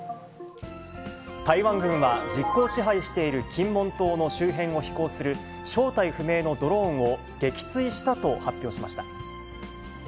台湾軍は実効支配している金門島の周辺を飛行する、正体不明のドローンを撃墜したと発表しました。